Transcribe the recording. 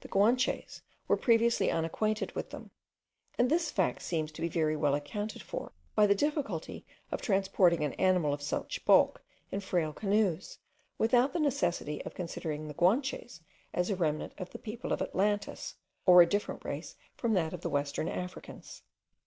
The Guanches were previously unacquainted with them; and this fact seems to be very well accounted for by the difficulty of transporting an animal of such bulk in frail canoes, without the necessity of considering the Guanches as a remnant of the people of Atlantis, or a different race from that of the western Africans.